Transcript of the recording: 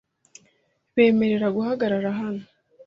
Bemerera guhagarara hano .